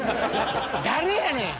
誰やねん！